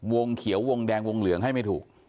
วงเขียววงแดงวงเหลืองให้ไม่ถูก